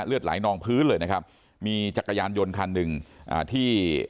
เลือดหลายนองพื้นเลยนะครับมีจักรยานยนต์คันหนึ่งที่